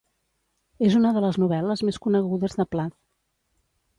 És una de les novel·les més conegudes de Plath.